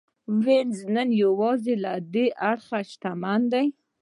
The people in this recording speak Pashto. وینز نن یوازې له دې اړخه شتمن دی.